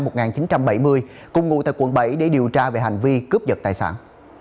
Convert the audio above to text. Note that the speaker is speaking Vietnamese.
bị bắt bu tại quận bảy để điều tra về hành vi cướp giật tài sản